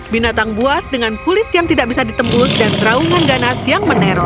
binatang buas dengan kulit yang tidak bisa ditembus dan teraungan ganas yang meneror